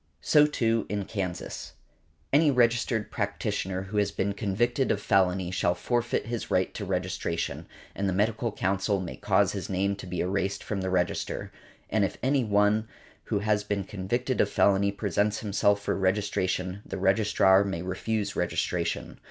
So, too, in Kansas . Any registered practitioner who has been convicted of felony shall forfeit his right to registration, and the Medical Council may cause his name to be erased from the register; and if any one who has been convicted of felony presents himself for registration the registrar may refuse registration.